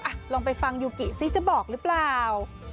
ลองไปฟังยูกิซิจะบอกหรือเปล่า